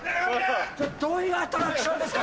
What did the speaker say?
どういうアトラクションですか？